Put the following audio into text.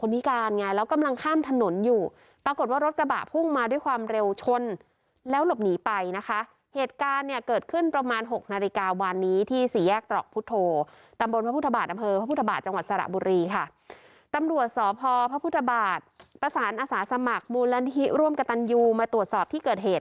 จากข้ามถนนอยู่ปรากฏว่ารถกระบะพุ่งมาด้วยความเร็วชนแล้วหลบหนีไปนะคะเหตุการณ์เนี่ยเกิดขึ้นประมาณ๖นาฬิกาวันนี้ที่ศรีแยกเปราะผู้โททรดำบลพระพุทธบาสดำเดอร์พระพุทธบาสจังหวัดสรบุรีค่ะตำรวจสอบธพพระพุทธบาสประสานอศสมัครมูลลัณธีร่วมกับตรรยูมาตรวจสอบที่เกิดเห